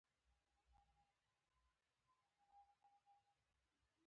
ما په تور کي د مرغۍ ډلي لیدلې